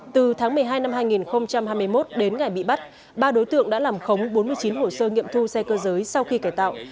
từ tháng một mươi hai năm hai nghìn hai mươi một đến ngày bị bắt ba đối tượng đã làm khống bốn mươi chín hồ sơ nghiệm thu xe cơ giới sau khi cải tạo